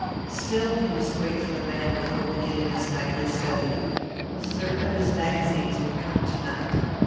Still he must wait for the mail before beginning his nightly study. Certain of his magazines would come to night.